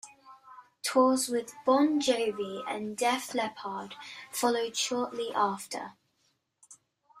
Tours with Bon Jovi and Def Leppard followed shortly after.